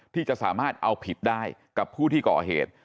ที่จะสามารถเอาผิดได้กับผู้ที่ก่อเหตุ